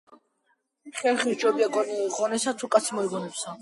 ხერხი სჯობია ღონესა, თუ კაცი მოიგონებსა